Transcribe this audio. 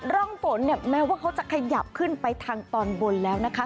ร่องฝนเนี่ยแม้ว่าเขาจะขยับขึ้นไปทางตอนบนแล้วนะคะ